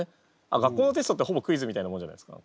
学校のテストってほぼクイズみたいなものじゃないですか。